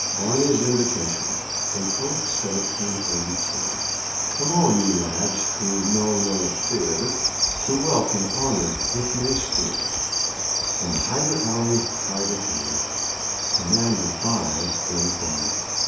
BARNEY'S INVITATION [April, 1782] Come all ye lads who know no fear, To wealth and honor with me steer In the Hyder Ali privateer, Commanded by brave Barney.